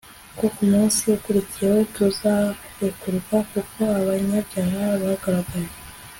ko Ku munsi ukurikiyeho tuzarekurwa kuko abanyabyaha bagaragaye